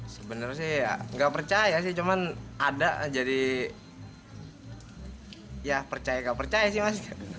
sebenarnya sih gak percaya sih cuman ada jadi ya percaya gak percaya sih mas